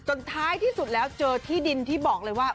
ท้ายที่สุดแล้วเจอที่ดินที่บอกเลยว่า